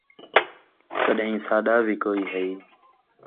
کݙان٘ہیں ساݙا وی کئی ہئی